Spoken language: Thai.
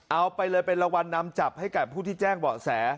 เอาไปเลยเป็นรางวัลนำจับให้กับผู้ที่แจ้งเบาะแส